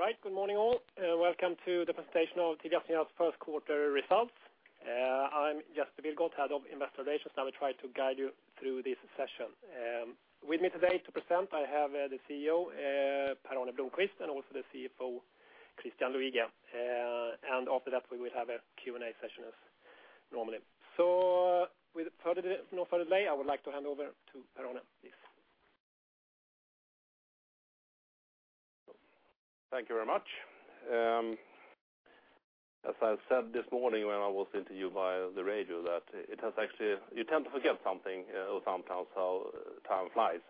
Right. Good morning, all. Welcome to the presentation of TeliaSonera's first quarter results. I'm Jesper Billgren, Head of Investor Relations, and I will try to guide you through this session. With me today to present, I have the CEO, Per-Arne Blomquist, and also the CFO, Christian Luiga. After that, we will have a Q&A session as normally. With no further delay, I would like to hand over to Per-Arne, please. Thank you very much. As I said this morning when I was saying to you via the radio that you tend to forget something sometimes how time flies.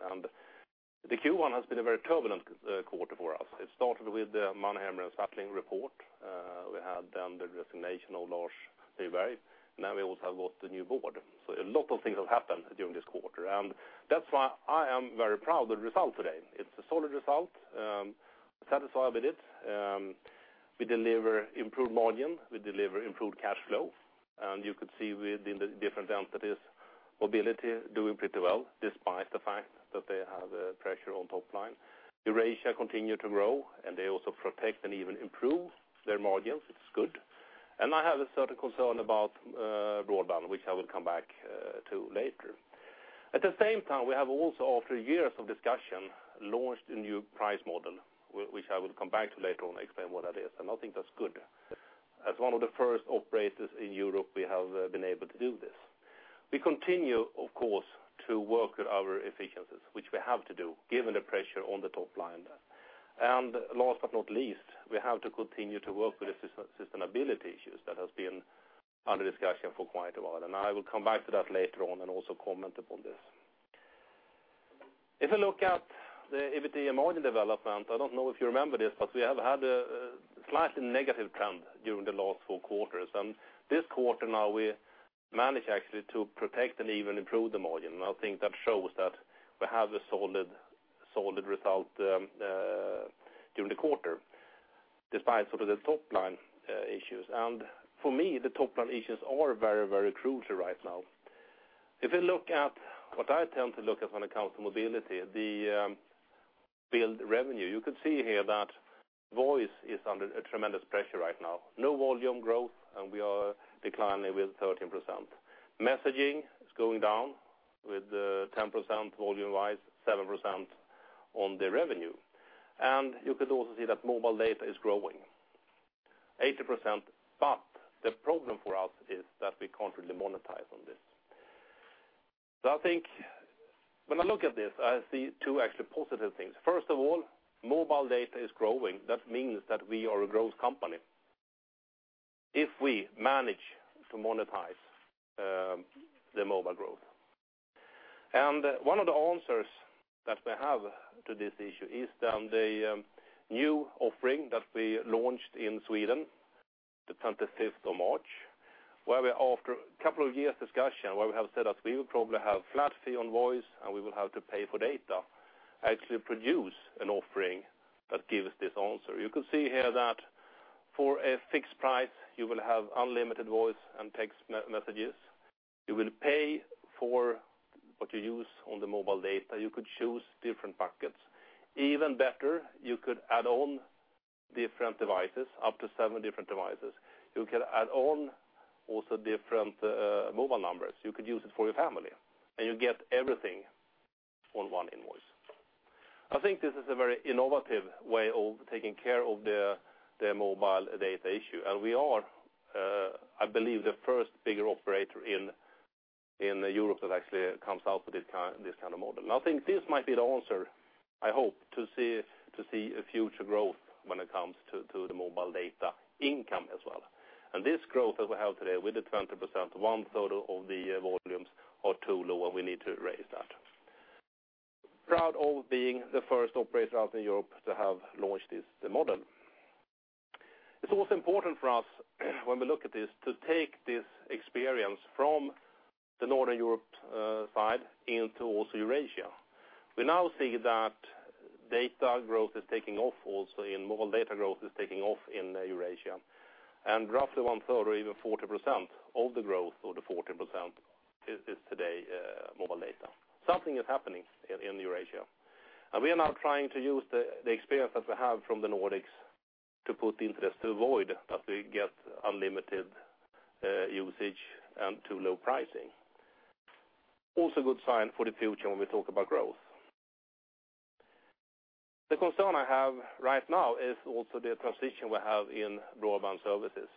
The Q1 has been a very turbulent quarter for us. It started with the Mannheimer Swartling report. We had then the resignation of Lars Nyberg. Now we also got the new board. A lot of things have happened during this quarter, and that's why I am very proud of the result today. It's a solid result. I'm satisfied with it. We deliver improved margin, we deliver improved cash flow. You could see within the different entities, mobility doing pretty well despite the fact that they have pressure on top line. Eurasia continue to grow. They also protect and even improve their margins, which is good. I have a certain concern about broadband, which I will come back to later. At the same time, we have also, after years of discussion, launched a new price model, which I will come back to later on, explain what that is. I think that's good. As one of the first operators in Europe, we have been able to do this. We continue, of course, to work at our efficiencies, which we have to do given the pressure on the top line. Last but not least, we have to continue to work with the sustainability issues that has been under discussion for quite a while, and I will come back to that later on and also comment upon this. If you look at the EBITDA margin development, I don't know if you remember this, we have had a slightly negative trend during the last four quarters. This quarter now we managed actually to protect and even improve the margin. I think that shows that we have a solid result during the quarter despite sort of the top-line issues. For me, the top-line issues are very, very crucial right now. If you look at what I tend to look at when it comes to mobility, the billed revenue, you could see here that voice is under a tremendous pressure right now. No volume growth. We are declining with 13%. Messaging is going down with 10% volume-wise, 7% on the revenue. You could also see that mobile data is growing 80%. The problem for us is that we can't really monetize on this. I think when I look at this, I see two actually positive things. First of all, mobile data is growing. That means that we are a growth company, if we manage to monetize the mobile growth. One of the answers that we have to this issue is the new offering that we launched in Sweden, the 25th of March, where we, after a couple of years' discussion, where we have said that we will probably have flat fee on voice and we will have to pay for data, actually produce an offering that gives this answer. You could see here that for a fixed price, you will have unlimited voice and text messages. You will pay for what you use on the mobile data. You could choose different buckets. Even better, you could add on different devices, up to seven different devices. You could add on also different mobile numbers. You could use it for your family, and you get everything on one invoice. I think this is a very innovative way of taking care of the mobile data issue, we are, I believe, the first bigger operator in Europe that actually comes out with this kind of model. I think this might be the answer, I hope, to see a future growth when it comes to the mobile data income as well. This growth that we have today, with the 20%, one-third of the volumes are too low, and we need to raise that. Proud of being the first operator out in Europe to have launched this model. It is also important for us when we look at this to take this experience from the Northern Europe side into also Eurasia. We now see that data growth is taking off also, mobile data growth is taking off in Eurasia, roughly one-third or even 40% of the growth, or the 40%, is today mobile data. Something is happening in Eurasia. We are now trying to use the experience that we have from the Nordics to put into this to avoid that we get unlimited usage and too low pricing. Also a good sign for the future when we talk about growth. The concern I have right now is also the transition we have in broadband services.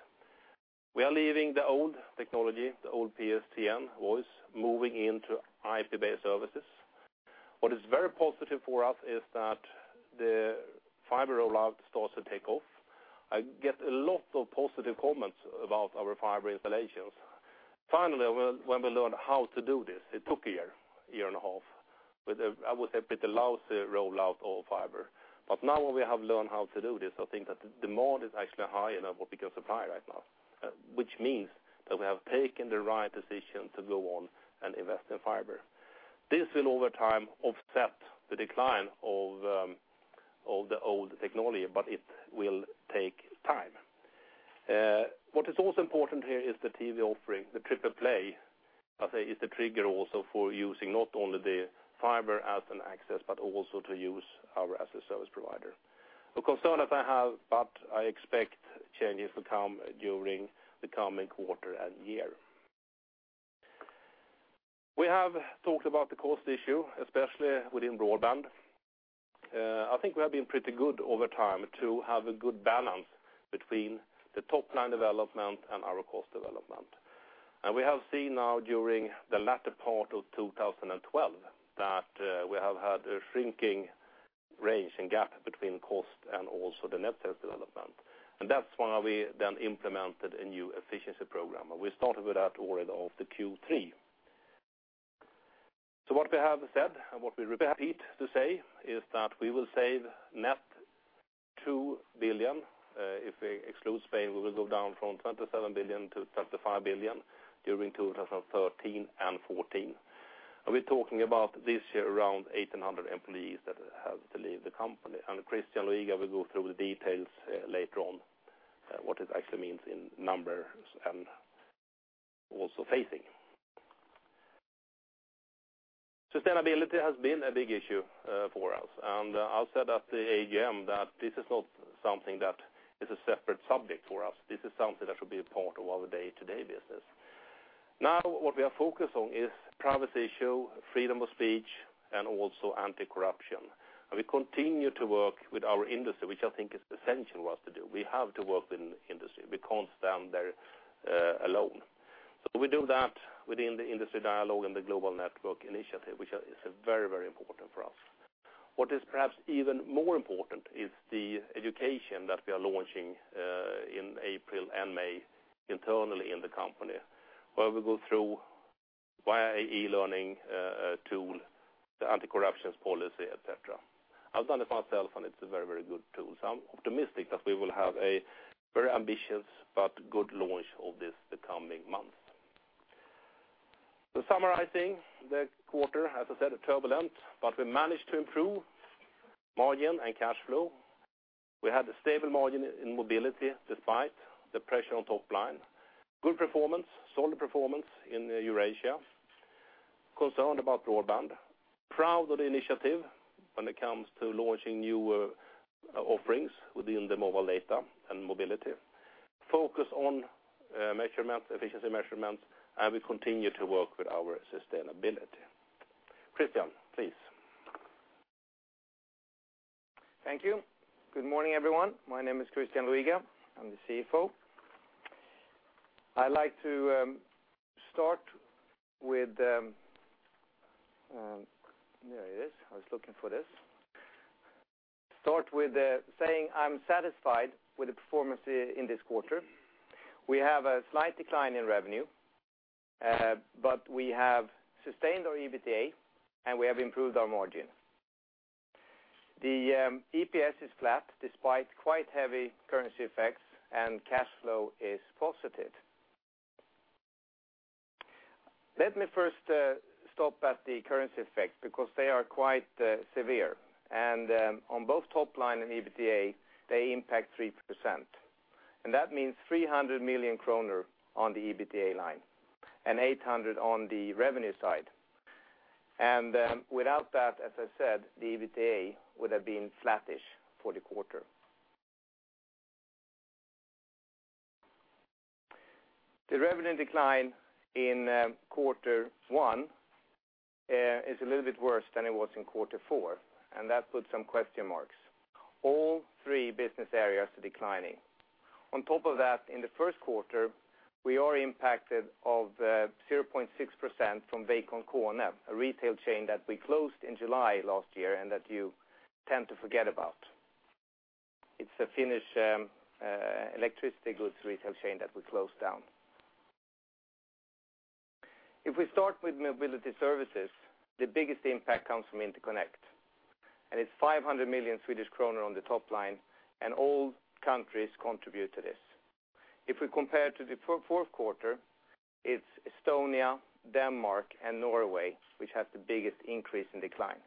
We are leaving the old technology, the old PSTN voice, moving into IP-based services. What is very positive for us is that the fiber rollout starts to take off. I get a lot of positive comments about our fiber installations. Finally, when we learned how to do this, it took a year and a half with, I would say, with a lousy rollout of fiber. Now that we have learned how to do this, I think that the demand is actually higher than what we can supply right now, which means that we have taken the right decision to go on and invest in fiber. This will over time offset the decline of the old technology, it will take time. What is also important here is the TV offering. The triple play, I say, is the trigger also for using not only the fiber as an access, but also to use us as a service provider. A concern that I have, but I expect changes to come during the coming quarter and year. We have talked about the cost issue, especially within broadband. I think we have been pretty good over time to have a good balance between the top-line development and our cost development. We have seen now during the latter part of 2012 that we have had a shrinking range and gap between cost and also the net sales development. That is why we then implemented a new efficiency program, and we started with that already of the Q3. What we have said, and what we repeat to say, is that we will save net 2 billion. If we exclude Spain, we will go down from 27 billion to 25 billion during 2013 and 2014. We are talking about this year, around 1,800 employees that have to leave the company. Christian Luiga will go through the details later on, what this actually means in numbers and also phasing. Sustainability has been a big issue for us. I said at the AGM that this is not something that is a separate subject for us. This is something that should be a part of our day-to-day business. What we are focused on is privacy issue, freedom of speech, and also anti-corruption. We continue to work with our industry, which I think is essential for us to do. We have to work with industry. We cannot stand there alone. We do that within the industry dialogue and the Global Network Initiative, which is very important for us. What is perhaps even more important is the education that we are launching in April and May internally in the company, where we go through, via e-learning tool, the anti-corruption policy, et cetera. I have done it myself, and it is a very good tool. I am optimistic that we will have a very ambitious but good launch of this the coming month. Summarizing the quarter, as I said, turbulent, but we managed to improve margin and cash flow. We had a stable margin in mobility despite the pressure on top line. Good performance, solid performance in Eurasia. Concerned about broadband. Proud of the initiative when it comes to launching new offerings within the mobile data and mobility. Focus on measurements, efficiency measurements, and we continue to work with our sustainability. Christian, please. Thank you. Good morning, everyone. My name is Christian Luiga. I am the CFO. I would like to start with. There it is. I was looking for this. Start with saying I am satisfied with the performance in this quarter. We have a slight decline in revenue, but we have sustained our EBITDA. We have improved our margin. The EPS is flat despite quite heavy currency effects. Cash flow is positive. Let me first stop at the currency effects because they are quite severe. On both top line and EBITDA, they impact 3%. That means 300 million kronor on the EBITDA line and 800 million on the revenue side. Without that, as I said, the EBITDA would have been flattish for the quarter. The revenue decline in quarter one is a little bit worse than it was in quarter four. That puts some question marks. All three business areas are declining. On top of that, in the first quarter, we are impacted of 0.6% from Veikon Kone, a retail chain that we closed in July last year and that you tend to forget about. It's a Finnish electricity goods retail chain that we closed down. If we start with mobility services, the biggest impact comes from interconnect. It's 500 million Swedish kronor on the top line, and all countries contribute to this. If we compare to the fourth quarter, it's Estonia, Denmark, and Norway which have the biggest increase in decline.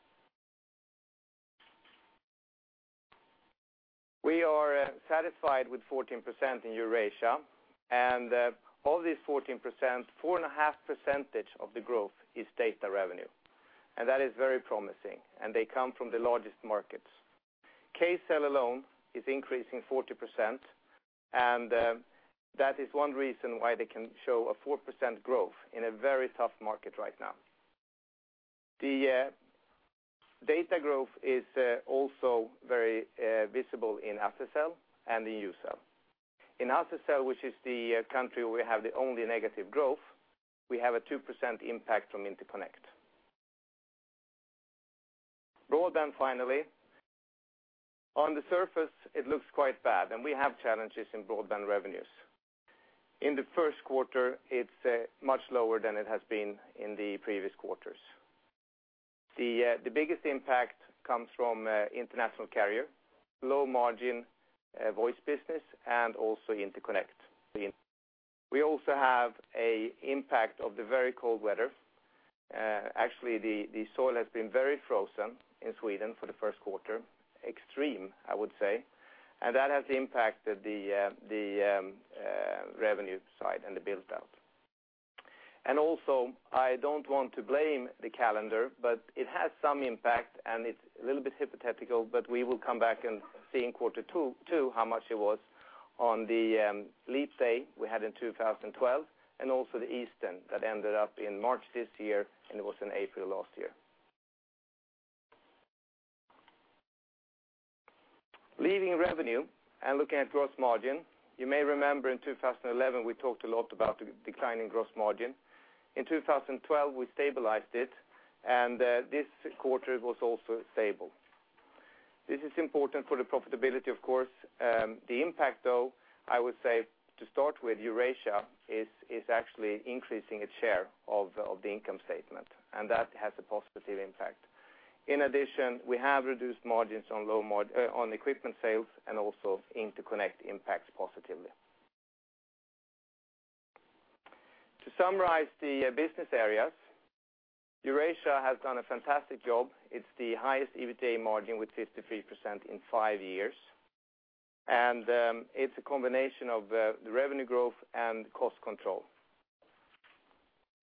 We are satisfied with 14% in Eurasia. Of this 14%, 4.5% of the growth is data revenue, that is very promising, and they come from the largest markets. Kcell alone is increasing 40%. That is one reason why they can show a 4% growth in a very tough market right now. The data growth is also very visible in Azercell and in Ucell. In Azercell, which is the country we have the only negative growth, we have a 2% impact from interconnect. Broadband, finally. On the surface, it looks quite bad. We have challenges in broadband revenues. In the first quarter, it's much lower than it has been in the previous quarters. The biggest impact comes from international carrier, low margin voice business, and also interconnect. We also have an impact of the very cold weather. Actually, the soil has been very frozen in Sweden for the first quarter. Extreme, I would say. That has impacted the revenue side and the build-out. Also, I don't want to blame the calendar, it has some impact, it's a little bit hypothetical, we will come back and see in quarter two how much it was on the leap day we had in 2012, the Easter that ended up in March this year, and it was in April last year. Leaving revenue and looking at gross margin, you may remember in 2011, we talked a lot about declining gross margin. In 2012, we stabilized it. This quarter it was also stable. This is important for the profitability, of course. The impact though, I would say to start with Eurasia is actually increasing its share of the income statement. That has a positive impact. In addition, we have reduced margins on equipment sales. Also, interconnect impacts positively. To summarize the business areas, Eurasia has done a fantastic job. It's the highest EBITDA margin with 53% in five years. It's a combination of the revenue growth and cost control.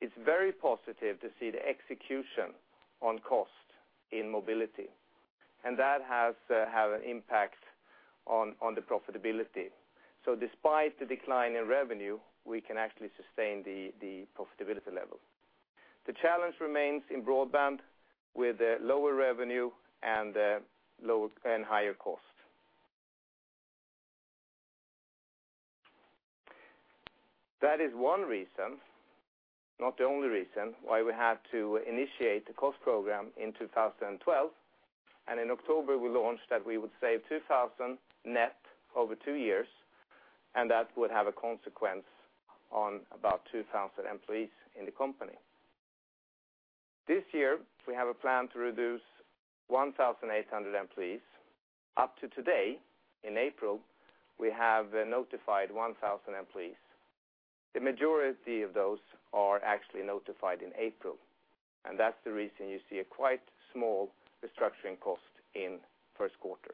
It's very positive to see the execution on cost in mobility. That has had an impact on the profitability. Despite the decline in revenue, we can actually sustain the profitability level. The challenge remains in broadband with lower revenue and higher cost. That is one reason, not the only reason, why we had to initiate the cost program in 2012. In October we launched that we would save 2,000 net over two years. That would have a consequence on about 2,000 employees in the company. This year, we have a plan to reduce 1,800 employees. Up to today, in April, we have notified 1,000 employees. The majority of those are actually notified in April. That's the reason you see a quite small restructuring cost in first quarter.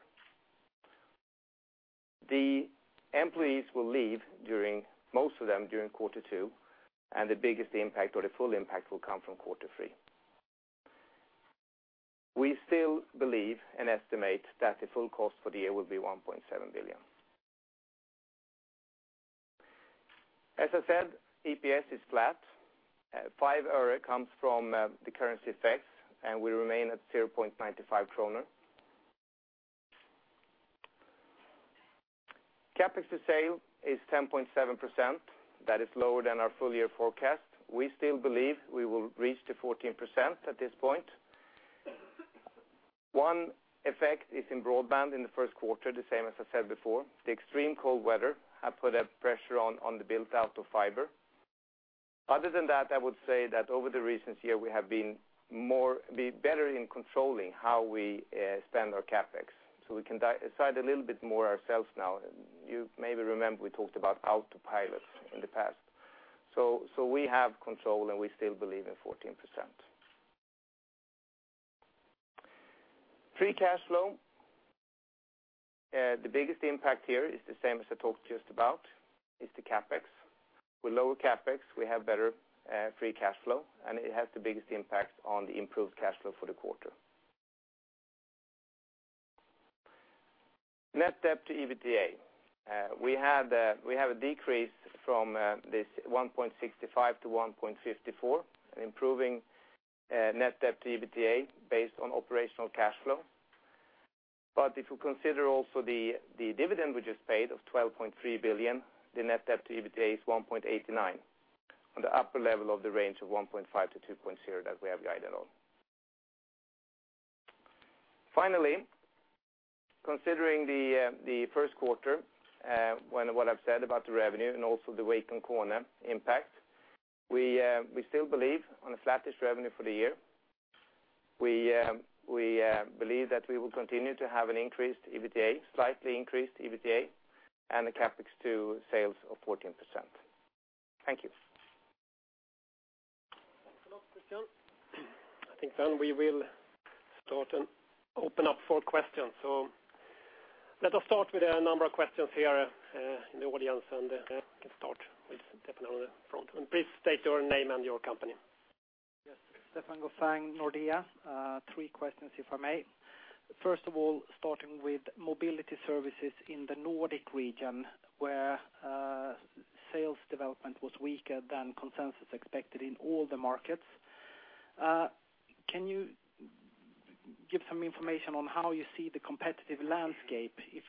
The employees will leave, most of them, during quarter two. The biggest impact or the full impact will come from quarter three. We still believe and estimate that the full cost for the year will be 1.7 billion. As I said, EPS is flat. 0.05 comes from the currency effects, and we remain at 0.95 kronor. Capex to sales is 10.7%. That is lower than our full-year forecast. We still believe we will reach to 14% at this point. One effect is in broadband in the first quarter, the same as I said before. The extreme cold weather has put a pressure on the build-out of fiber. Other than that, I would say that over the recent year, we have been better in controlling how we spend our Capex. We can decide a little bit more ourselves now. You maybe remember we talked about autopilot in the past. We have control, and we still believe in 14%. Free cash flow. The biggest impact here is the same as I talked just about, is the Capex. With lower Capex, we have better free cash flow, and it has the biggest impact on the improved cash flow for the quarter. Net debt to EBITDA. We have a decrease from this 1.65 to 1.54, improving net debt to EBITDA based on operational cash flow. If you consider also the dividend we just paid of 12.3 billion, the net debt to EBITDA is 1.89 on the upper level of the range of 1.5 to 2.0 that we have guided on. Finally, considering the first quarter, what I've said about the revenue and also the Veikon Kone impact, we still believe on a flattish revenue for the year. We believe that we will continue to have an increased EBITDA, slightly increased EBITDA, a Capex to sales of 14%. Thank you. Thank you a lot, Christian. I think we will start and open up for questions. Let us start with a number of questions here in the audience, and let's start with Stefan on the front. Please state your name and your company. Yes. Stefan Gauffin, Nordea. Three questions, if I may. Starting with mobility services in the Nordic region, where sales development was weaker than consensus expected in all the markets. Can you give some information on how you see the competitive landscape, if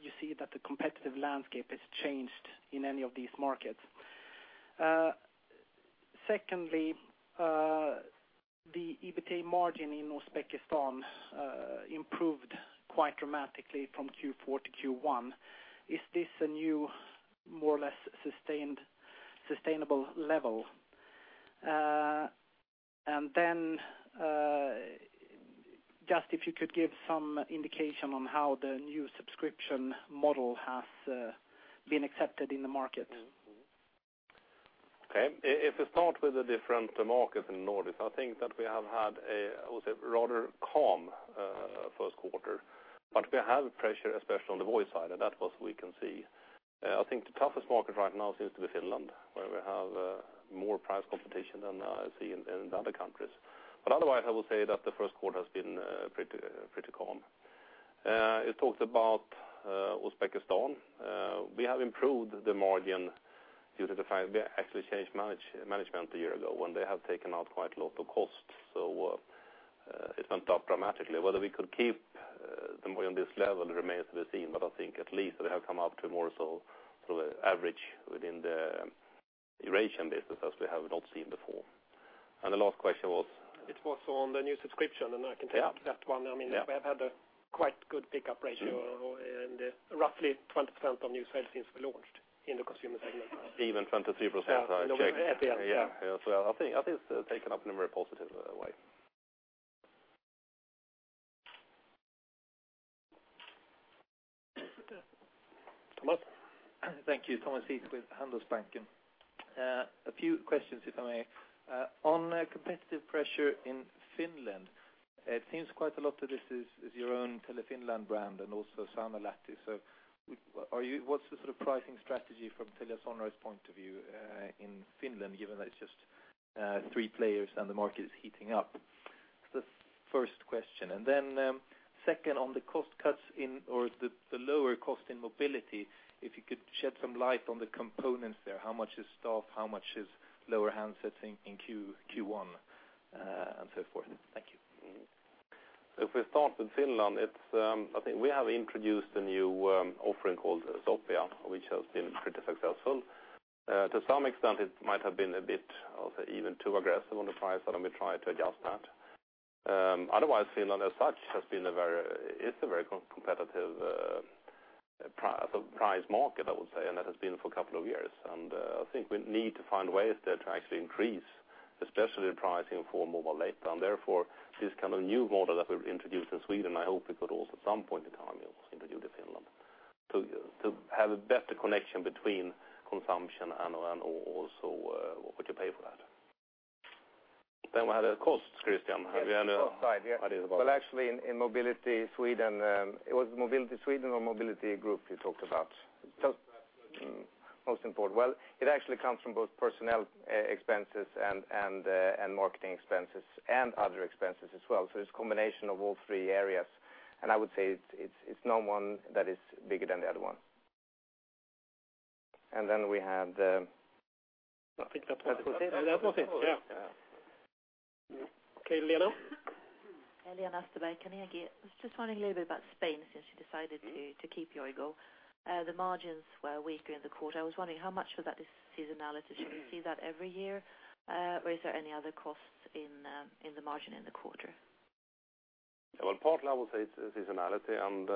you see that the competitive landscape has changed in any of these markets? The EBITDA margin in Uzbekistan improved quite dramatically from Q4 to Q1. Is this a new, more or less sustainable level? Just if you could give some indication on how the new subscription model has been accepted in the market. Okay. If we start with the different markets in the Nordics, I think that we have had, I would say, a rather calm first quarter, but we have pressure especially on the voice side, and that was we can see. I think the toughest market right now seems to be Finland, where we have more price competition than I see in the other countries. I would say that the first quarter has been pretty calm. You talked about Uzbekistan. We have improved the margin due to the fact we actually changed management a year ago, and they have taken out quite a lot of costs. It went up dramatically. Whether we could keep the margin on this level remains to be seen, but I think at least we have come up to more so sort of average within the Eurasian business as we have not seen before. The last question was? It was on the new subscription, I can take that one. Yeah. We have had a quite good pickup ratio in roughly 20% of new sales since we launched in the consumer segment. Even 23%. I checked. Yeah. I think it's taken up in a very positive way. Thank you. Thomas Witthöft Handelsbanken. A few questions, if I may. On competitive pressure in Finland, it seems quite a lot of this is your own Tele Finland brand and also Saunalahti. What's the sort of pricing strategy from TeliaSonera's point of view in Finland, given that it's just three players and the market is heating up? The first question. Second on the cost cuts in, or the lower cost in mobility, if you could shed some light on the components there. How much is staff? How much is lower handsets in Q1 and so forth? Thank you. If we start with Finland, I think we have introduced a new offering called Sofia, which has been pretty successful. To some extent, it might have been a bit of even too aggressive on the price, we try to adjust that. Otherwise, Finland as such is a very competitive price market, I would say, and it has been for a couple of years. I think we need to find ways there to actually increase, especially the pricing for mobile data, therefore this kind of new model that we've introduced in Sweden, I hope we could also at some point in time introduce in Finland to have a better connection between consumption and also, what would you pay for that? We had the costs, Christian. Have you any ideas about that? Well, actually, in mobility Sweden. Was it mobility Sweden or mobility group you talked about? Group. Most important. Well, it actually comes from both personnel expenses and marketing expenses and other expenses as well. It's a combination of all three areas. I would say it's no one that is bigger than the other one. We had the- I think that was it. That was it, yeah. Okay, Lena. Lena Österberg, Carnegie. I was just wondering a little bit about Spain, since you decided to keep your Yoigo. The margins were weaker in the quarter. I was wondering how much of that is seasonality. Should we see that every year, or is there any other costs in the margin in the quarter? Well, partly I would say it's seasonality, and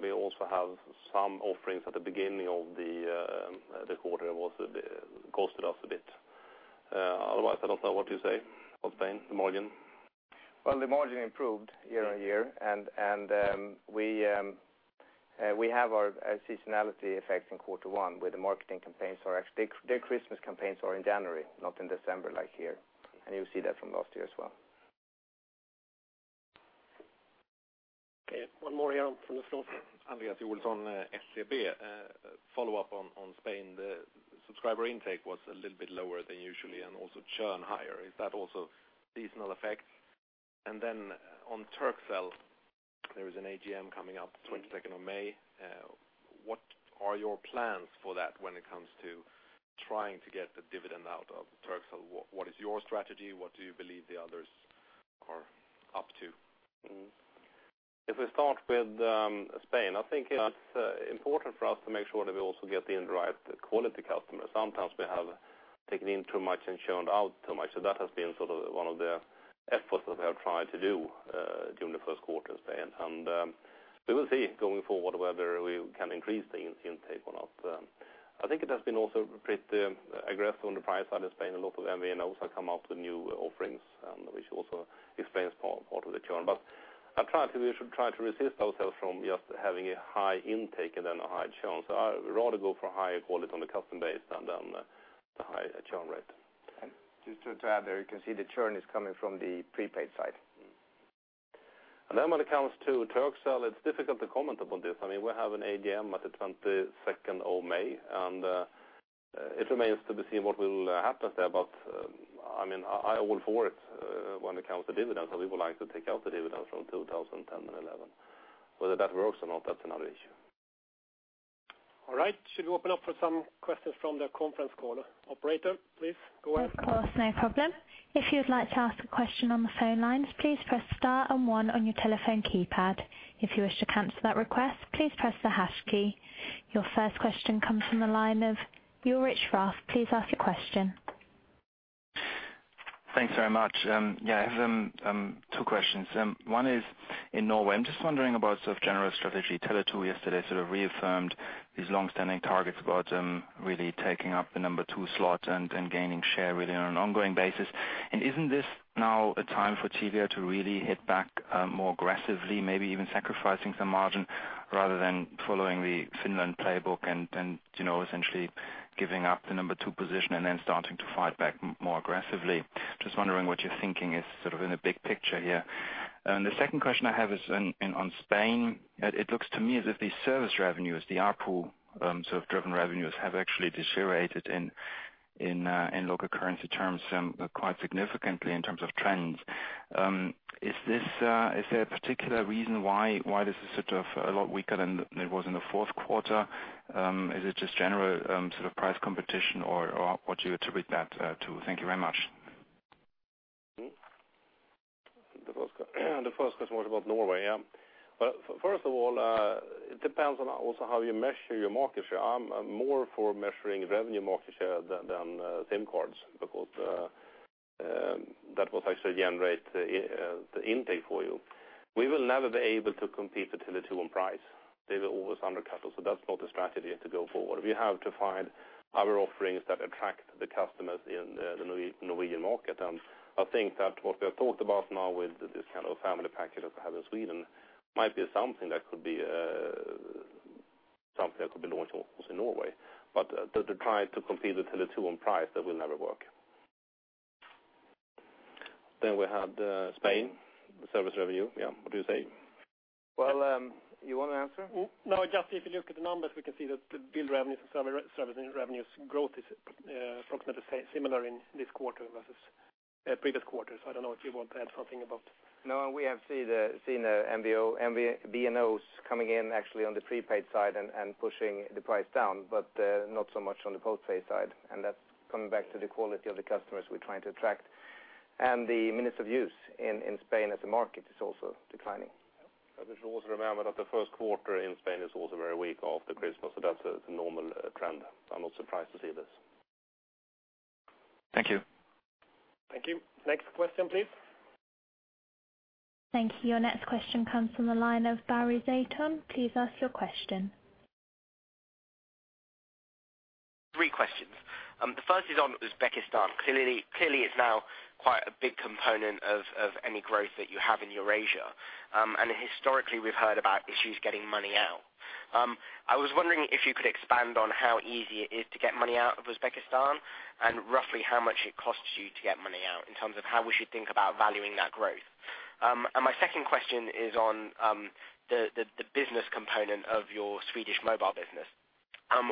we also have some offerings at the beginning of the quarter, it also cost us a bit. Otherwise, I don't know. What do you say about Spain, the margin? Well, the margin improved year-on-year, we have our seasonality effects in quarter one with the marketing campaigns, or actually the Christmas campaigns are in January, not in December like here. You see that from last year as well. Okay, one more here from the school. Andreas Olsson, SEB. Follow-up on Spain. The subscriber intake was a little bit lower than usual and also churn higher. Is that also seasonal effects? Then on Turkcell, there is an AGM coming up 22nd of May. What are your plans for that when it comes to trying to get the dividend out of Turkcell? What is your strategy? What do you believe the others are up to? If we start with Spain, I think it's important for us to make sure that we also get in the right quality customers. Sometimes we have taken in too much and churned out too much. That has been sort of one of the efforts that we have tried to do during the first quarter in Spain. We will see going forward whether we can increase the intake, or not. I think it has been also pretty aggressive on the price side in Spain. A lot of MVNOs have come out with new offerings, which also explains part of the churn. We should try to resist ourselves from just having a high intake and then a high churn. I would rather go for higher quality on the customer base than the high churn rate. Just to add there, you can see the churn is coming from the prepaid side. When it comes to Turkcell, it's difficult to comment upon this. I mean, we have an AGM on the 22nd of May, and it remains to be seen what will happen there. I mean, I award for it when it comes to dividends, so we would like to take out the dividends from 2010 and 2011. Whether that works or not, that's another issue. All right. Should we open up for some questions from the conference call? Operator, please go ahead. Of course, no problem. If you would like to ask a question on the phone lines, please press star and one on your telephone keypad. If you wish to cancel that request, please press the hash key. Your first question comes from the line of Ulrich Rathe. Please ask your question. Thanks very much. I have two questions. One is in Norway. I am just wondering about general strategy. Tele2 yesterday reaffirmed its longstanding targets about really taking up the number 2 slot and gaining share really on an ongoing basis. Isn't this now a time for Telia to really hit back more aggressively, maybe even sacrificing some margin rather than following the Finland playbook and essentially giving up the number 2 position and then starting to fight back more aggressively? Just wondering what your thinking is in the big picture here. The second question I have is on Spain. It looks to me as if the service revenues, the ARPU driven revenues, have actually deteriorated in local currency terms quite significantly in terms of trends. Is there a particular reason why this is a lot weaker than it was in the fourth quarter? Is it just general price competition, or what do you attribute that to? Thank you very much. The first question was about Norway. First of all, it depends on also how you measure your market share. I am more for measuring revenue market share than SIM cards, because that will actually generate the intake for you. We will never be able to compete with Tele2 on price. They will always undercut us, that is not the strategy to go forward. We have to find other offerings that attract the customers in the Norwegian market. I think that what we have talked about now with this kind of family packet that we have in Sweden might be something that could be launched also in Norway. To try to compete with Tele2 on price, that will never work. We had Spain, the service revenue. What do you say? Well, you want to answer? Just if you look at the numbers, we can see that the bill revenues and service revenues growth is approximately similar in this quarter versus previous quarters. I don't know if you want to add something about. We have seen the MVNOs coming in actually on the prepaid side and pushing the price down, but not so much on the postpaid side. That's coming back to the quality of the customers we're trying to attract. The minutes of use in Spain as a market is also declining. I think we should also remember that the first quarter in Spain is also very weak after Christmas, that's a normal trend. I'm not surprised to see this. Thank you. Thank you. Next question, please. Thank you. Your next question comes from the line of Barry Zeitoune. Please ask your question. Three questions. The first is on Uzbekistan. Clearly, it's now quite a big component of any growth that you have in Eurasia. Historically, we've heard about issues getting money out. I was wondering if you could expand on how easy it is to get money out of Uzbekistan, and roughly how much it costs you to get money out in terms of how we should think about valuing that growth. My second question is on the business component of your Swedish mobile business.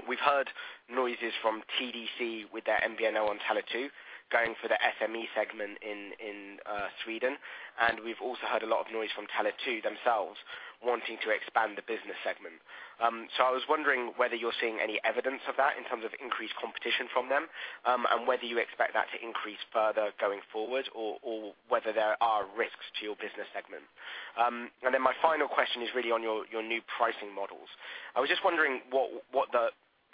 We've heard noises from TDC with their MVNO on Tele2 going for the SME segment in Sweden, and we've also heard a lot of noise from Tele2 themselves wanting to expand the business segment. I was wondering whether you're seeing any evidence of that in terms of increased competition from them, whether you expect that to increase further going forward, or whether there are risks to your business segment. My final question is really on your new pricing models. I was just wondering what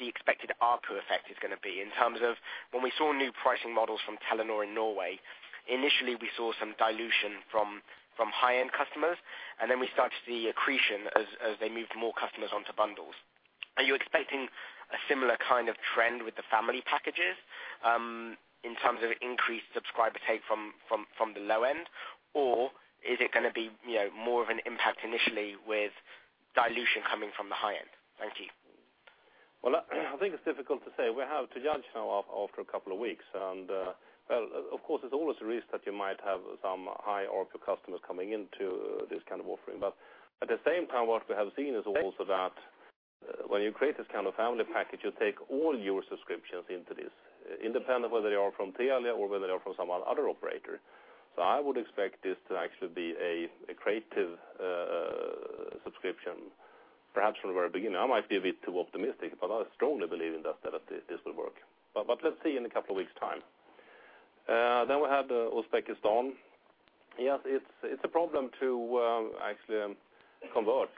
the expected ARPU effect is going to be in terms of when we saw new pricing models from Telenor in Norway, initially we saw some dilution from high-end customers, and then we started to see accretion as they moved more customers onto bundles. Are you expecting a similar kind of trend with the family packages in terms of increased subscriber take from the low end? Is it going to be more of an impact initially with dilution coming from the high end? Thank you. Well, I think it's difficult to say. We have to judge now after a couple of weeks. Of course, there's always a risk that you might have some high ARPU customers coming into this kind of offering. At the same time, what we have seen is also that when you create this kind of family package, you take all your subscriptions into this, independent whether they are from Telia or whether they are from some other operator. I would expect this to actually be a creative subscription, perhaps from the very beginning. I might be a bit too optimistic, I strongly believe in that this will work. Let's see in a couple of weeks' time. We have Uzbekistan. Yes, it's a problem to actually convert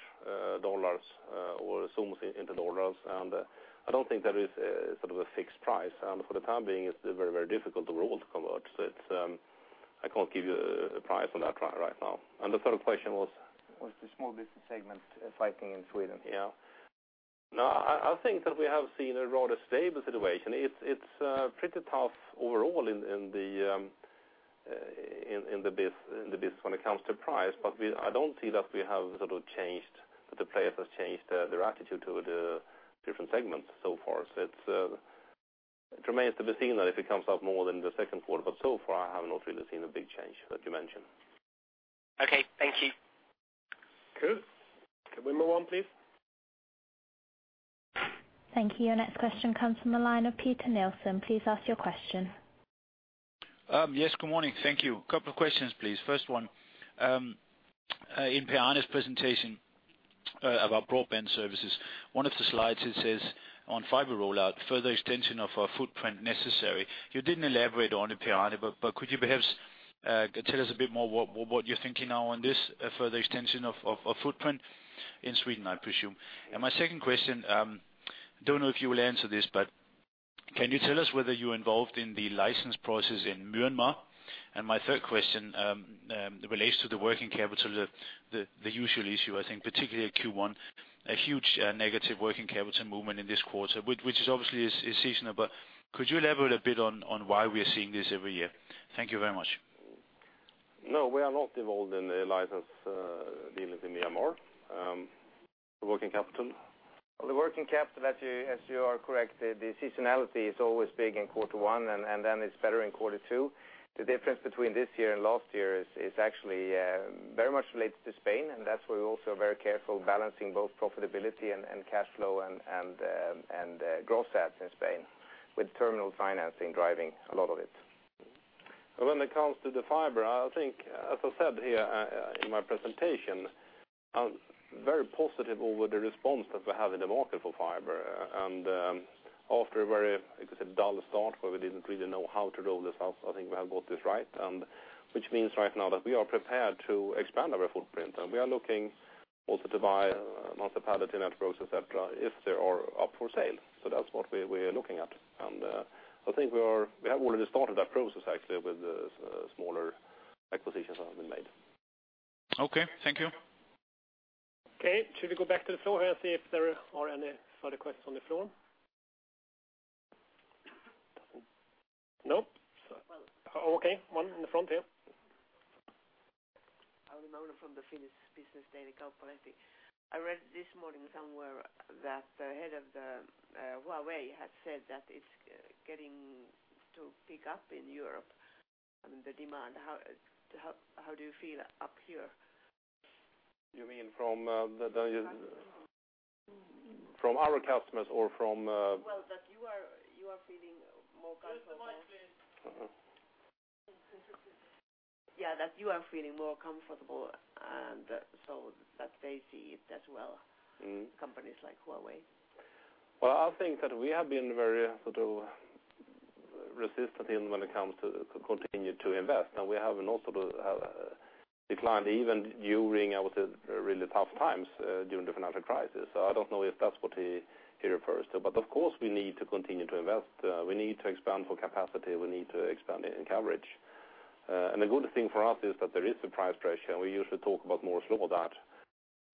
dollars or sums into dollars, and I don't think there is a fixed price. For the time being, it's very difficult overall to convert. I can't give you a price on that right now. The third question was? Was the small business segment pricing in Sweden. Yeah. No, I think that we have seen a rather stable situation. It's pretty tough overall in the business when it comes to price, but I don't see that the players have changed their attitude toward the different segments so far. It remains to be seen that if it comes up more than the second quarter, but so far, I have not really seen a big change that you mentioned. Okay. Thank you. Good. Can we move on, please? Thank you. Your next question comes from the line of Peter Nielsen. Please ask your question. Yes, good morning. Thank you. Couple of questions, please. First one, in Per-Arne's presentation about broadband services, one of the slides it says on fiber rollout, further extension of our footprint necessary. You didn't elaborate on it, Per-Arne, but could you perhaps tell us a bit more what you're thinking now on this further extension of footprint in Sweden, I presume? My second question- Can you tell us whether you're involved in the license process in Myanmar? My third question relates to the working capital, the usual issue, I think, particularly at Q1. A huge negative working capital movement in this quarter, which obviously is seasonal, but could you elaborate a bit on why we are seeing this every year? Thank you very much. No, we are not involved in the license dealings in Myanmar. The working capital? The working capital, yes, you are correct. The seasonality is always big in quarter one, then it's better in quarter two. The difference between this year and last year actually very much relates to Spain, that's why we're also very careful balancing both profitability and cash flow and growth stats in Spain, with terminal financing driving a lot of it. When it comes to the fiber, as I said here in my presentation, I'm very positive over the response that we have in the market for fiber. After a very, let me say, dull start, where we didn't really know how to roll this out, I think we have got this right, which means right now that we are prepared to expand our footprint. We are looking also to buy municipality networks, et cetera, if they are up for sale. That's what we are looking at. I think we have already started that process actually with the smaller acquisitions that have been made. Okay. Thank you. Okay, should we go back to the floor and see if there are any further questions on the floor? No. One. Okay, one in the front here. Auli Moilanen from the Finnish business daily, Kauppalehti. I read this morning somewhere that the head of Huawei has said that it's getting to pick up in Europe, the demand. How do you feel up here? You mean from- From Huawei. From our customers or from- Well, that you are feeling more comfortable. Use the mic, please. Yeah, that you are feeling more comfortable, and so that they see it as well, companies like Huawei. Well, I think that we have been very resistant when it comes to continue to invest, and we have not declined even during, I would say, really tough times during the financial crisis. I don't know if that's what he refers to, but of course we need to continue to invest. We need to expand for capacity. We need to expand in coverage. The good thing for us is that there is a price pressure, and we usually talk about Moore's law, that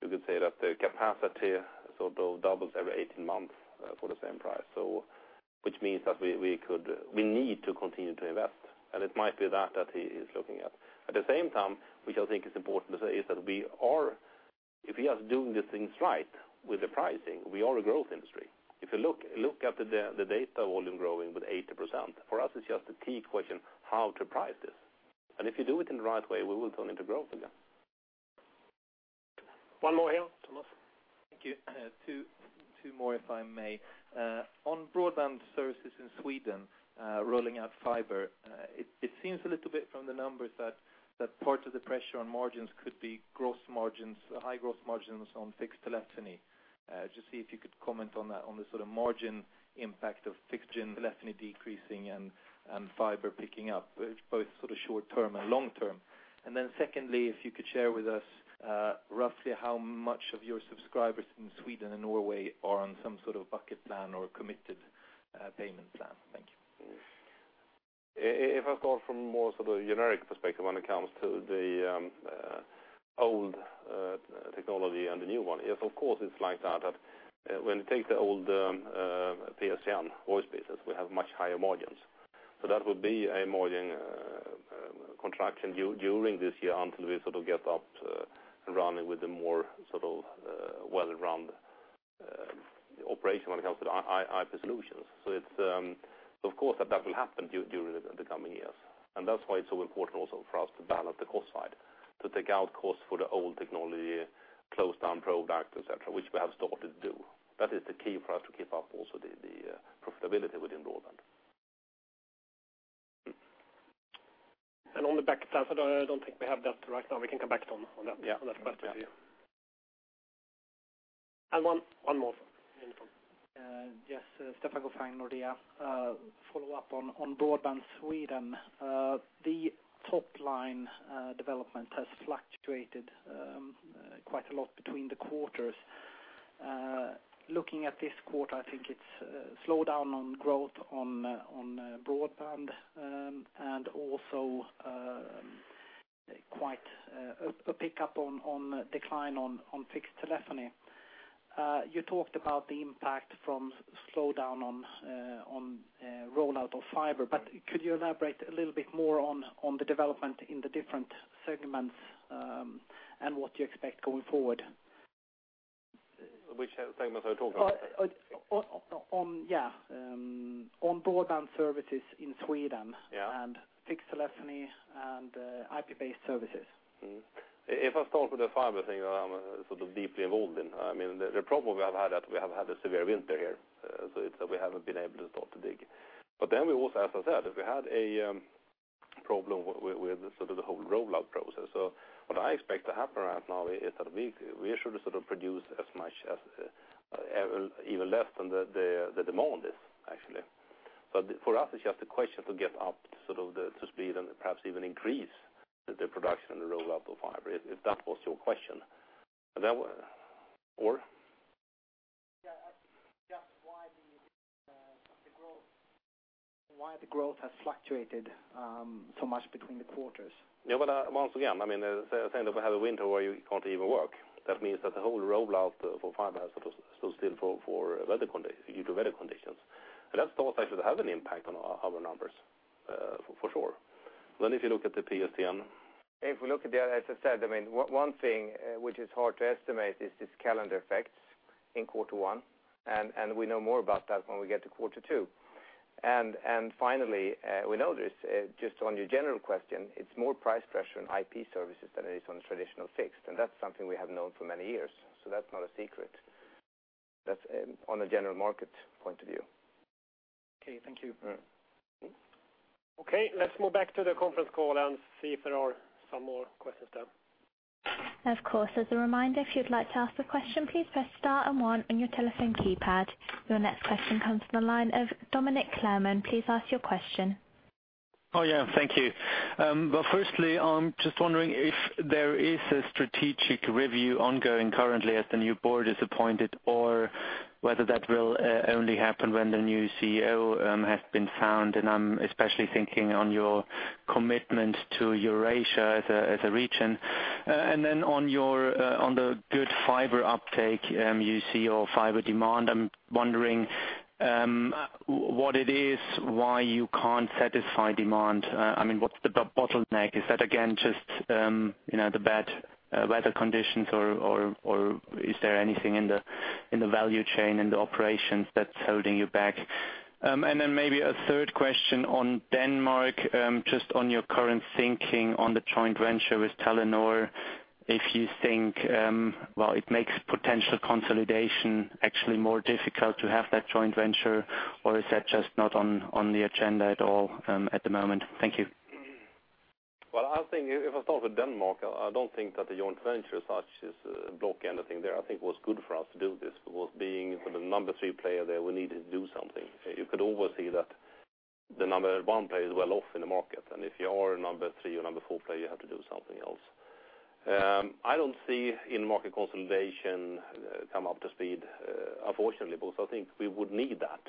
you could say that the capacity sort of doubles every 18 months for the same price. Which means that we need to continue to invest, and it might be that he is looking at. At the same time, which I think is important to say, is that if we are doing the things right with the pricing, we are a growth industry. If you look at the data volume growing with 80%, for us, it's just a key question how to price this. If you do it in the right way, we will turn into growth again. One more here. Thomas. Thank you. Two more, if I may. On broadband services in Sweden, rolling out fiber, it seems a little bit from the numbers that part of the pressure on margins could be high growth margins on fixed telephony. Just see if you could comment on that, on the sort of margin impact of fixed telephony decreasing and fiber picking up, both sort of short-term and long-term. Secondly, if you could share with us roughly how much of your subscribers in Sweden and Norway are on some sort of bucket plan or committed payment plan. Thank you. If I start from more sort of a generic perspective when it comes to the old technology and the new one, yes, of course, it's like that when you take the old PSTN voice business, we have much higher margins. That would be a margin contraction during this year until we sort of get up and running with a more sort of well-run operation when it comes to IP solutions. Of course, that will happen during the coming years, and that's why it's so important also for us to balance the cost side, to take out costs for the old technology, close down product, et cetera, which we have started to do. That is the key for us to keep up also the profitability within broadband. On the bucket plan, I don't think we have that right now. We can come back on that. Yeah on that question. One more. In the front. Yes. Stefan Gauffin, Nordea. Follow-up on broadband Sweden. The top line development has fluctuated quite a lot between the quarters. Looking at this quarter, I think it's slowed down on growth on broadband and also quite a pickup on decline on fixed telephony. You talked about the impact from slowdown on rollout of fiber, could you elaborate a little bit more on the development in the different segments, and what you expect going forward? Which segments are we talking about? On broadband services in Sweden. Yeah fixed telephony and IP-based services. If I start with the fiber thing, that I'm sort of deeply involved in. The problem we have had, that we have had a severe winter here, we haven't been able to start to dig. We also, as I said, we had a problem with sort of the whole rollout process. What I expect to happen right now is that we should sort of produce as much as even less than the demand is. For us, it's just a question to get up to speed and perhaps even increase the production rollout of fiber, if that was your question. Or? Yeah. Just why the growth has fluctuated so much between the quarters. Yeah. Once again, saying that we have a winter where you can't even work, that means that the whole rollout for fiber has stood still due to weather conditions. That's also actually have an impact on our numbers, for sure. If you look at the PSTN, if we look at the, as I said, one thing which is hard to estimate is this calendar effects in quarter one. We know more about that when we get to quarter two. Finally, we know this, just on your general question, it's more price pressure on IP services than it is on traditional fixed. That's something we have known for many years. That's not a secret. That's on a general market point of view. Okay, thank you. Okay. Let's move back to the conference call and see if there are some more questions there. Of course. As a reminder, if you'd like to ask a question, please press star and one on your telephone keypad. Your next question comes from the line of Dominic Klerhman. Please ask your question. Oh, yeah. Thank you. Well, firstly, I'm just wondering if there is a strategic review ongoing currently as the new board is appointed, or whether that will only happen when the new CEO has been found. I'm especially thinking on your commitment to Eurasia as a region. On the good fiber uptake, you see your fiber demand, I'm wondering what it is, why you can't satisfy demand. What's the bottleneck? Is that, again, just the bad weather conditions, or is there anything in the value chain, in the operations that's holding you back? Maybe a third question on Denmark, just on your current thinking on the joint venture with Telenor, if you think, well, it makes potential consolidation actually more difficult to have that joint venture, or is that just not on the agenda at all at the moment? Thank you. I think if I start with Denmark, I don't think that the joint venture as such has blocked anything there. I think it was good for us to do this. With being the number 3 player there, we needed to do something. You could always see that the number 1 player is well off in the market. If you are a number 3 or number 4 player, you have to do something else. I don't see in-market consolidation come up to speed, unfortunately, because I think we would need that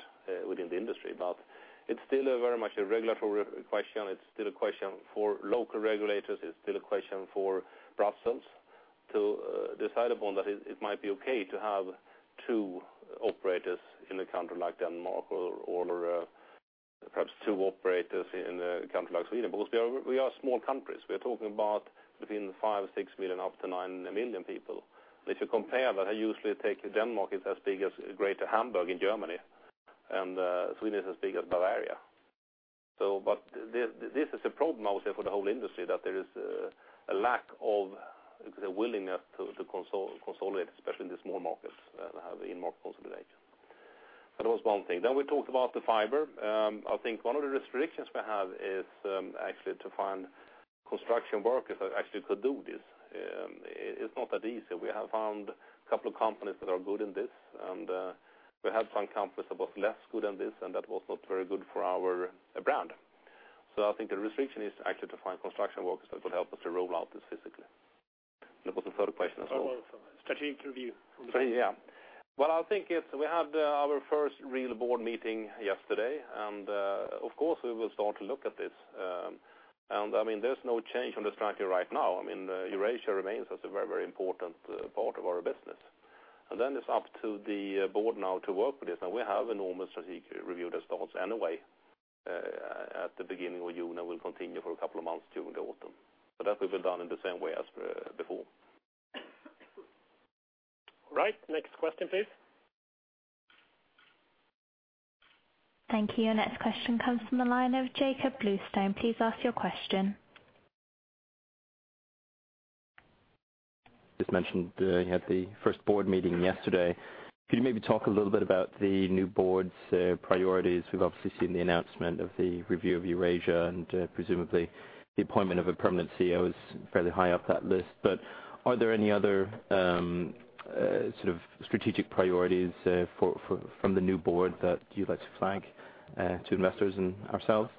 within the industry. It's still a very much a regulatory question. It's still a question for local regulators. It's still a question for Brussels to decide upon that it might be okay to have two operators in a country like Denmark or perhaps two operators in a country like Sweden, because we are small countries. We're talking about between five, 6 million, up to 9 million people. If you compare that, I usually take Denmark as big as greater Hamburg in Germany, and Sweden is as big as Bavaria. This is a problem, I would say, for the whole industry, that there is a lack of the willingness to consolidate, especially in the small markets that have in-market consolidation. That was one thing. We talked about the fiber. I think one of the restrictions we have is actually to find construction workers that actually could do this. It's not that easy. We have found a couple of companies that are good in this, and we have found companies that was less good in this, and that was not very good for our brand. I think the restriction is actually to find construction workers that would help us to roll out this physically. What was the third question as well? Well, strategic review. Well, I think we had our first real board meeting yesterday. Of course, we will start to look at this. There's no change on the strategy right now. Eurasia remains as a very important part of our business. Then it's up to the board now to work with this. We have enormous strategic review that starts anyway at the beginning of June and will continue for a couple of months during the autumn. That will be done in the same way as before. Right. Next question, please. Thank you. Your next question comes from the line of Jakob Bluestone. Please ask your question. You just mentioned you had the first board meeting yesterday. Could you maybe talk a little bit about the new board's priorities? We've obviously seen the announcement of the review of Eurasia. Presumably the appointment of a permanent CEO is fairly high up that list. Are there any other sort of strategic priorities from the new board that you'd like to flag to investors and ourselves?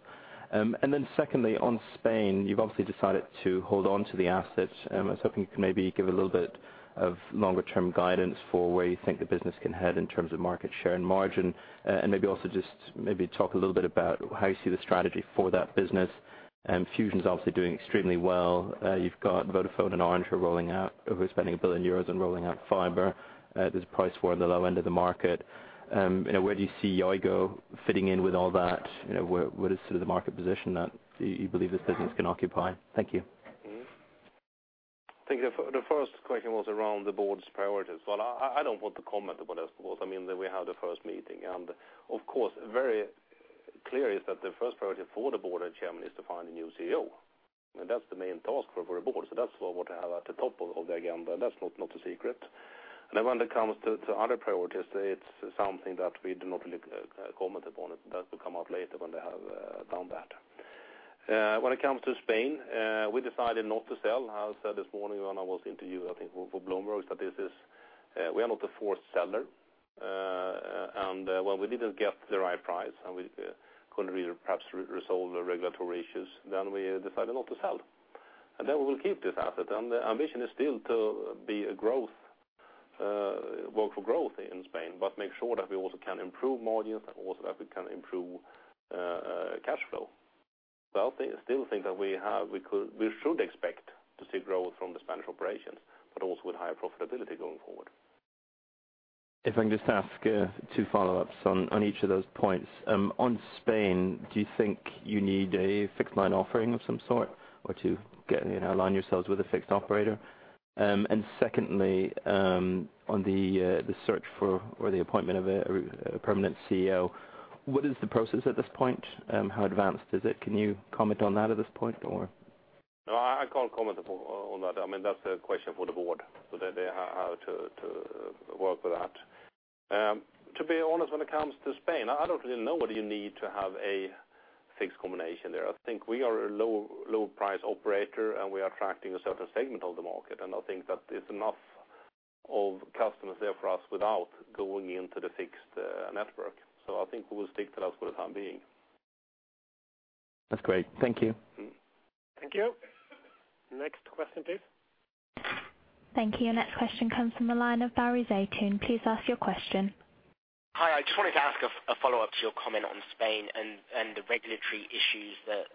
Secondly, on Spain, you've obviously decided to hold on to the asset. I was hoping you could maybe give a little bit of longer term guidance for where you think the business can head in terms of market share and margin. Maybe also just maybe talk a little bit about how you see the strategy for that business. Fusion's obviously doing extremely well. You've got Vodafone and Orange are rolling out, overspending 1 billion euros on rolling out fiber. There's price war on the low end of the market. Where do you see Yoigo fitting in with all that? What is sort of the market position that you believe this business can occupy? Thank you. I think the first question was around the board's priorities. Well, I don't want to comment upon that, because we have the first meeting. Of course, very clear is that the first priority for the board and chairman is to find a new CEO. That's the main task for a board. That's what I have at the top of the agenda. That's not a secret. Then when it comes to other priorities, it's something that we do not really comment upon. That will come out later when they have done that. When it comes to Spain, we decided not to sell. I said this morning when I was interviewed, I think for Bloomberg, that we are not a forced seller. When we didn't get the right price, and we couldn't perhaps resolve the regulatory issues, we decided not to sell. Then we will keep this asset. The ambition is still to be a growth, work for growth in Spain, but make sure that we also can improve margins and also that we can improve cash flow. I still think that we should expect to see growth from the Spanish operations, but also with higher profitability going forward. If I can just ask two follow-ups on each of those points. On Spain, do you think you need a fixed line offering of some sort, or to align yourselves with a fixed operator? Secondly, on the search for or the appointment of a permanent CEO, what is the process at this point? How advanced is it? Can you comment on that at this point or? No, I can't comment on that. That's a question for the board. They have to work with that. To be honest, when it comes to Spain, I don't really know whether you need to have a fixed combination there. I think we are a low price operator, and we are attracting a certain segment of the market, and I think that there's enough old customers there for us without going into the fixed network. I think we will stick to that for the time being. That's great. Thank you. Thank you. Next question, please. Thank you. Your next question comes from the line of Barry Zeitoune. Please ask your question. Hi, I just wanted to ask a follow-up to your comment on Spain and the regulatory issues that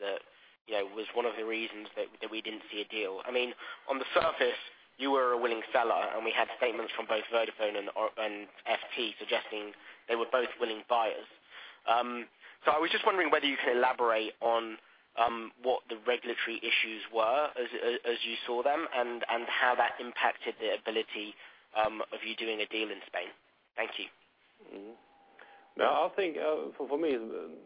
was one of the reasons that we didn't see a deal. On the surface, you were a willing seller, and we had statements from both Vodafone and FT suggesting they were both willing buyers. I was just wondering whether you can elaborate on what the regulatory issues were as you saw them and how that impacted the ability of you doing a deal in Spain. Thank you. No, I think for me,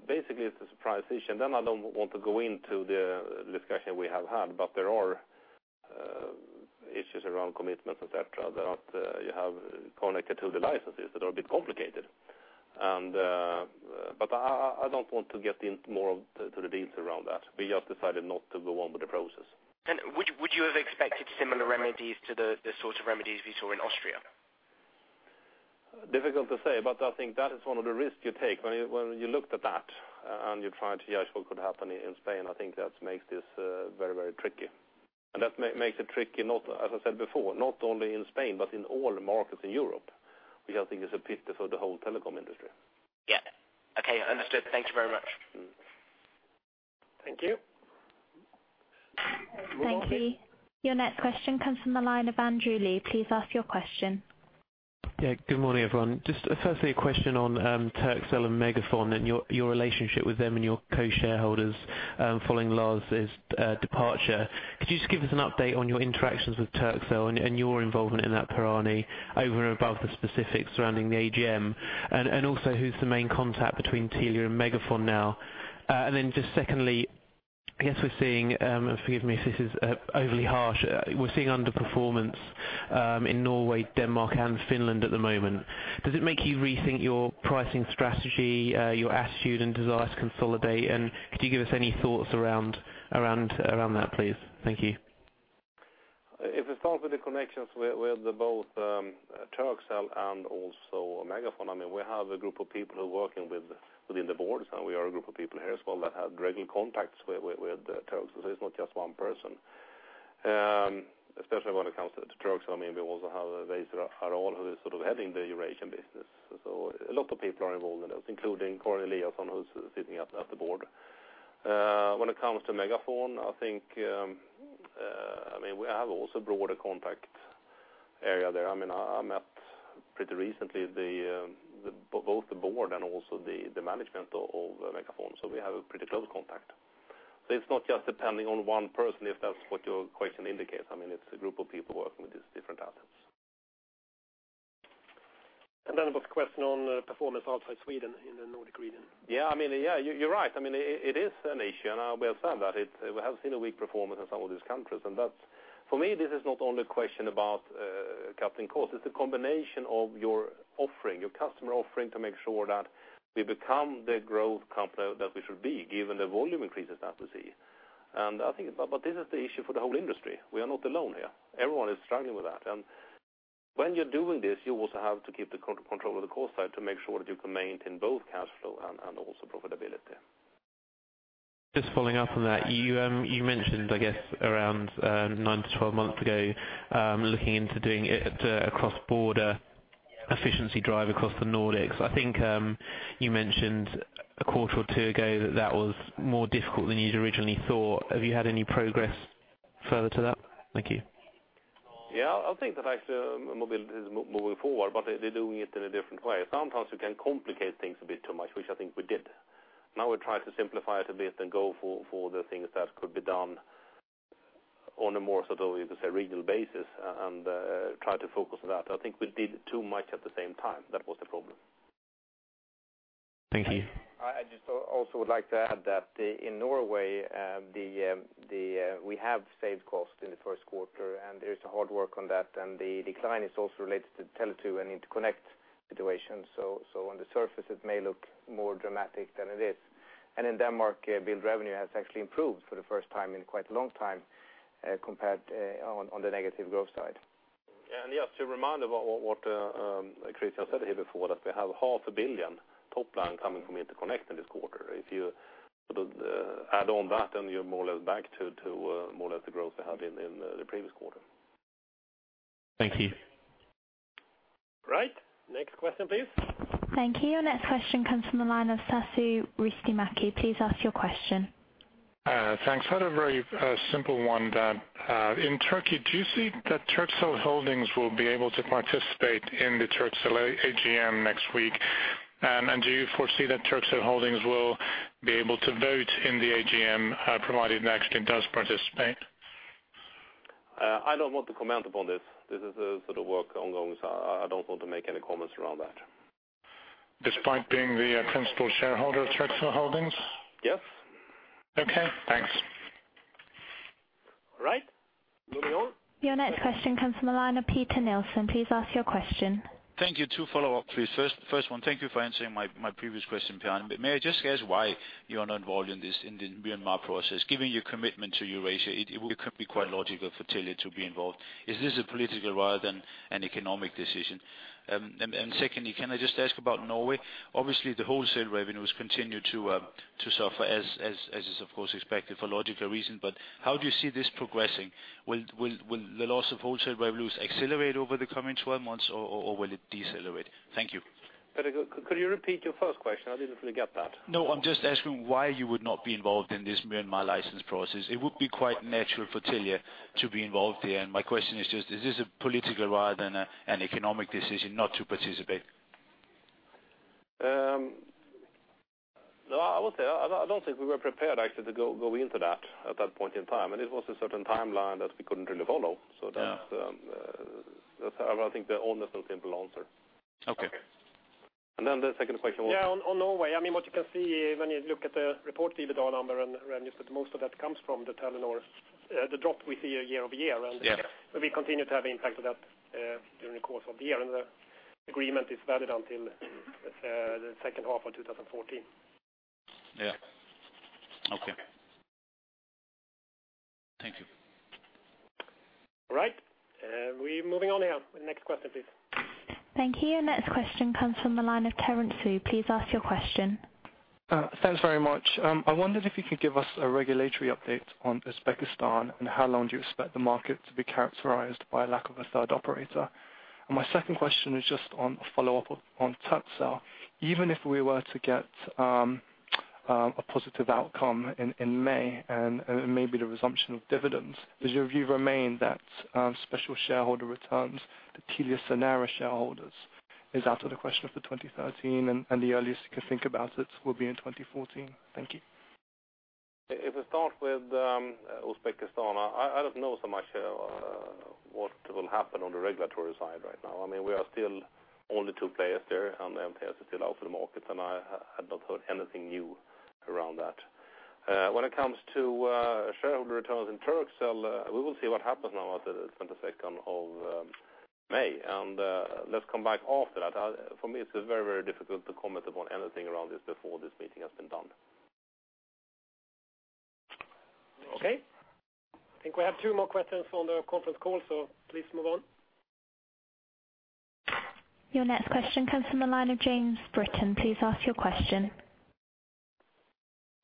basically it's a price issue. I don't want to go into the discussion we have had, but there are issues around commitments, et cetera, that you have connected to the licenses that are a bit complicated. I don't want to get more into the details around that. We just decided not to go on with the process. Would you have expected similar remedies to the sort of remedies we saw in Austria? Difficult to say, but I think that is one of the risks you take. When you looked at that and you tried to, yeah, what could happen in Spain, I think that makes this very tricky. That makes it tricky, as I said before, not only in Spain, but in all the markets in Europe, which I think is a pity for the whole telecom industry. Yeah. Okay, understood. Thank you very much. Thank you. Thank you. Your next question comes from the line of Andrew Lee. Please ask your question. Yeah. Good morning, everyone. Just firstly, a question on Turkcell and MegaFon and your relationship with them and your co-shareholders following Lars' departure. Could you just give us an update on your interactions with Turkcell and your involvement in that Per-Arne over and above the specifics surrounding the AGM? Also, who's the main contact between Telia and MegaFon now? Then just secondly, I guess we're seeing, and forgive me if this is overly harsh, we're seeing underperformance in Norway, Denmark and Finland at the moment. Does it make you rethink your pricing strategy, your attitude, and desire to consolidate? Could you give us any thoughts around that, please? Thank you. We start with the connections with both Turkcell and also MegaFon, we have a group of people who are working within the boards, and we are a group of people here as well that have regular contacts with Turkcell. It's not just one person. Especially when it comes to Turkcell, we also have who is sort of heading the Eurasian business. A lot of people are involved in this, including Conny Karlsson, who's sitting at the board. When it comes to MegaFon, I think we have also broader contact area there. I met pretty recently both the board and also the management of MegaFon. We have a pretty close contact. It's not just depending on one person, if that's what your question indicates. It's a group of people working with these different outlets. About the question on performance outside Sweden in the Nordic region. You're right. It is an issue, we have said that. We have seen a weak performance in some of these countries, for me, this is not only a question about cutting costs. It's a combination of your offering, your customer offering, to make sure that we become the growth company that we should be, given the volume increases that we see. This is the issue for the whole industry. We are not alone here. Everyone is struggling with that. When you're doing this, you also have to keep the control of the cost side to make sure that you can maintain both cash flow and also profitability. Just following up on that. You mentioned, I guess, around 9 to 12 months ago, looking into doing a cross-border efficiency drive across the Nordics. I think you mentioned a quarter or two ago that that was more difficult than you'd originally thought. Have you had any progress further to that? Thank you. Yeah, I think that mobility is moving forward, they're doing it in a different way. Sometimes we can complicate things a bit too much, which I think we did. Now we try to simplify it a bit and go for the things that could be done on a more, sort of, we could say, regional basis, and try to focus on that. I think we did too much at the same time. That was the problem. Thank you. I just also would like to add that in Norway, we have saved cost in the first quarter, there is hard work on that, the decline is also related to Tele2 and interconnect Situation. On the surface, it may look more dramatic than it is. In Denmark, billed revenue has actually improved for the first time in quite a long time compared on the negative growth side. Just a reminder about what Christian said here before, that we have half a billion top line coming from interconnect in this quarter. If you add on that, then you're more or less back to more or less the growth we had in the previous quarter. Thank you. Right. Next question, please. Thank you. Your next question comes from the line of Taru Ristimäki. Please ask your question. Thanks. Had a very simple one that in Turkey, do you see that Turkcell Holding will be able to participate in the Turkcell AGM next week? Do you foresee that Turkcell Holding will be able to vote in the AGM, provided it actually does participate? I don't want to comment upon this. This is work ongoing. I don't want to make any comments around that. Despite being the principal shareholder of Turkcell Holding? Yes. Okay, thanks. All right. Moving on. Your next question comes from the line of Peter Nielsen. Please ask your question. Thank you. Two follow-up, please. First one, thank you for answering my previous question, Per-Arne. May I just guess why you are not involved in this, in the Myanmar process? Given your commitment to Eurasia, it could be quite logical for Telia to be involved. Is this a political rather than an economic decision? Secondly, can I just ask about Norway? Obviously, the wholesale revenues continue to suffer as is, of course, expected for logical reasons. How do you see this progressing? Will the loss of wholesale revenues accelerate over the coming 12 months, or will it decelerate? Thank you. Could you repeat your first question? I didn't fully get that. I'm just asking why you would not be involved in this Myanmar license process. It would be quite natural for Telia to be involved here. My question is just, is this a political rather than an economic decision not to participate? I would say, I don't think we were prepared actually to go into that at that point in time, and it was a certain timeline that we couldn't really follow. Yeah. That's how I think the honest and simple answer. Okay. The second question was? Yeah, on Norway, what you can see when you look at the reported EBITDA number and revenues, that most of that comes from the Telenor, the drop we see year-over-year. Yes. We continue to have impact of that during the course of the year, and the agreement is valid until the second half of 2014. Yeah. Okay. Thank you. All right. We're moving on here. Next question, please. Thank you. Your next question comes from the line of Terence Fu. Please ask your question. Thanks very much. I wondered if you could give us a regulatory update on Uzbekistan, and how long do you expect the market to be characterized by lack of a third operator? My second question is just on a follow-up on Turkcell. Even if we were to get a positive outcome in May and maybe the resumption of dividends, does your view remain that special shareholder returns to TeliaSonera shareholders is out of the question of 2013 and the earliest you can think about it will be in 2014? Thank you. If I start with Uzbekistan, I don't know so much what will happen on the regulatory side right now. We are still only two players there, and MTS is still out of the market, and I have not heard anything new around that. When it comes to shareholder returns in Turkcell, we will see what happens now at the 22nd of May, and let's come back after that. For me, it's very difficult to comment upon anything around this before this meeting has been done. Okay. I think we have two more questions on the conference call, so please move on. Your next question comes from the line of James Britten. Please ask your question.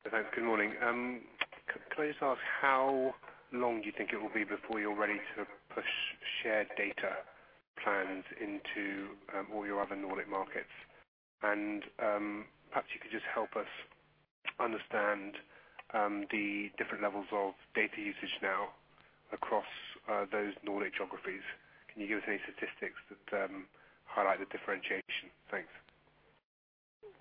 Thanks. Good morning. Could I just ask how long do you think it will be before you're ready to push shared data plans into all your other Nordic markets? Perhaps you could just help us understand the different levels of data usage now across those Nordic geographies. Can you give us any statistics that highlight the differentiation? Thanks.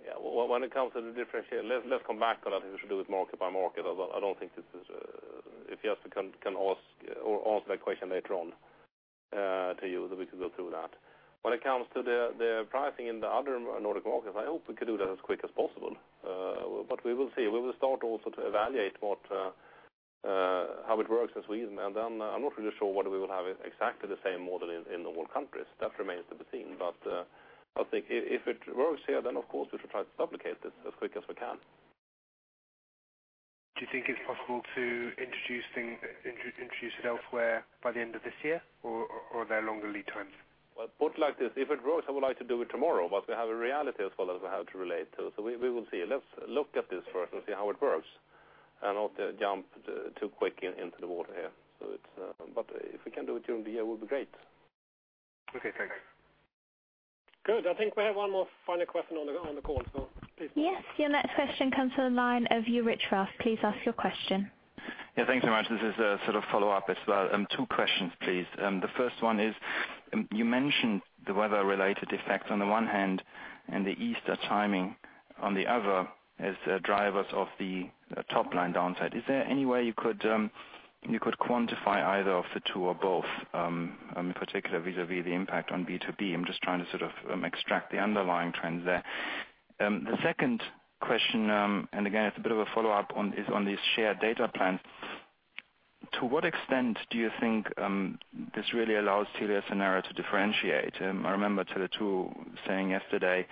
Yeah. When it comes to the differentiation, let's come back to that. We should do it market by market. If Jesper can answer that question later on to you, then we can go through that. When it comes to the pricing in the other Nordic markets, I hope we could do that as quick as possible. We will see. We will start also to evaluate how it works in Sweden, then I'm not really sure whether we will have exactly the same model in all countries. That remains to be seen. I think if it works here, of course we should try to duplicate this as quick as we can. Do you think it's possible to introduce it elsewhere by the end of this year, or are there longer lead times? Well, put like this. If it works, I would like to do it tomorrow, but we have a reality as well as we have to relate to. We will see. Let's look at this first and see how it works and not jump too quick into the water here. If we can do it during the year, it would be great. Okay, thanks. Good. I think we have one more final question on the call, so please. Yes. Your next question comes from the line of Ulrich Rathe. Please ask your question. Thanks very much. This is a follow-up as well. Two questions, please. The first one is, you mentioned the weather-related effects on the one hand and the Easter timing on the other as drivers of the top-line downside. Is there any way you could quantify either of the 2 or both, in particular vis-à-vis the impact on B2B? I'm just trying to extract the underlying trends there. The second question, again, it's a bit of a follow-up, is on these shared data plans To what extent do you think this really allows TeliaSonera to differentiate? I remember Tele2 saying yesterday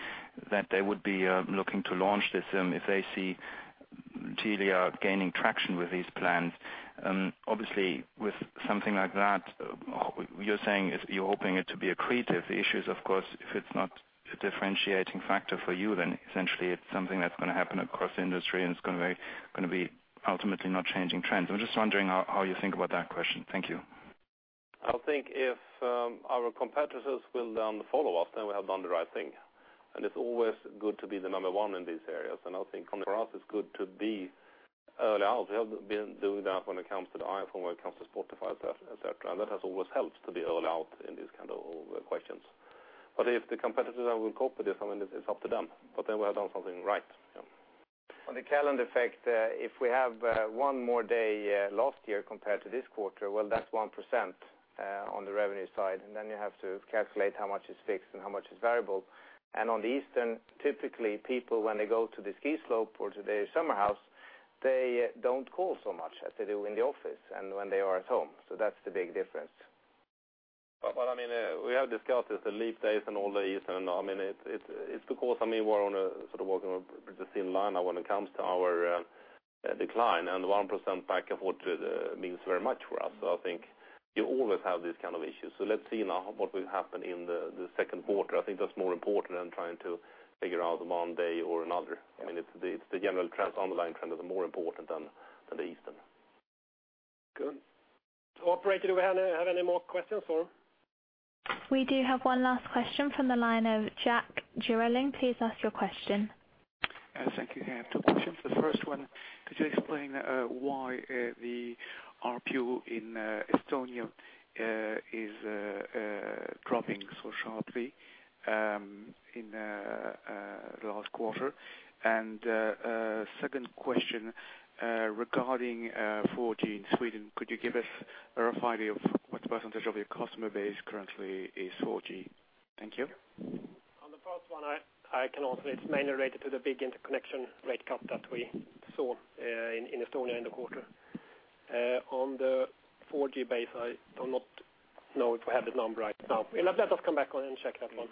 that they would be looking to launch this if they see Telia gaining traction with these plans. Obviously, with something like that, you're saying you're hoping it to be accretive. The issue is, of course, if it's not a differentiating factor for you, essentially it's something that's going to happen across the industry, and it's going to be ultimately not changing trends. I'm just wondering how you think about that question. Thank you. I think if our competitors will follow us, we have done the right thing, and it's always good to be the number 1 in these areas. I think for us, it's good to be early out. We have been doing that when it comes to the iPhone, when it comes to Spotify, et cetera. That has always helped to be early out in these kinds of questions. If the competitors will cope with this, it's up to them, we have done something right. On the calendar effect, if we have 1 more day last year compared to this quarter, that's 1% on the revenue side, and you have to calculate how much is fixed and how much is variable. On the Easter, typically, people, when they go to the ski slope or to their summer house, they don't call so much as they do in the office and when they are at home. That's the big difference. We have discussed this, the leap days and all the Easter. It's because we're on a thin line when it comes to our decline, and 1% back means very much for us. I think you always have these kinds of issues. Let's see now what will happen in the second quarter. I think that's more important than trying to figure out one day or another. It's the general trends, underlying trend that are more important than the Easter. Good. Operator, do we have any more questions for him? We do have one last question from the line of Jack Durling. Please ask your question. Thank you. I have two questions. The first one, could you explain why the ARPU in Estonia is dropping so sharply in the last quarter? Second question regarding 4G in Sweden. Could you give us a rough idea of what % of your customer base currently is 4G? Thank you. On the first one, I can answer. It's mainly related to the big interconnection rate cut that we saw in Estonia in the quarter. On the 4G base, I do not know if we have the number right now. Let us come back on and check that one.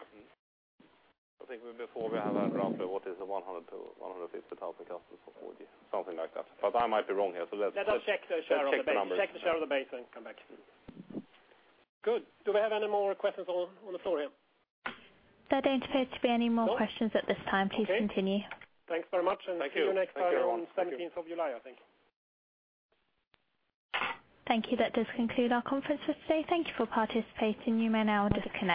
I think before we have a roughly what is 100,000 to 150,000 customers for 4G, something like that. I might be wrong here. Let us check the share of the base. Check the numbers check the share of the base and come back to you. Good. Do we have any more questions on the floor here? There don't appear to be any more questions at this time. Please continue. Thanks very much. Thank you. See you next time on 17th of July, I think. Thank you. That does conclude our conference for today. Thank you for participating. You may now disconnect.